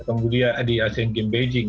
kemudian di asean games beijing